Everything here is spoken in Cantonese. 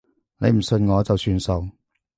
你唔信我就算數